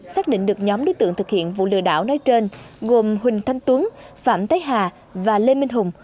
xác định được nhóm đối tượng thực hiện vụ lừa đảo nói trên gồm huỳnh thanh tuấn phạm thái hà và lê minh hùng